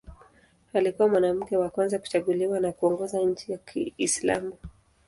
Alikuwa mwanamke wa kwanza kuchaguliwa na kuongoza nchi ya Kiislamu.